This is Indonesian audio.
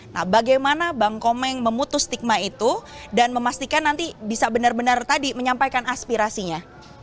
nah bagaimana bang komeng memutus stigma itu dan memastikan nanti bisa benar benar tadi menyampaikan aspirasinya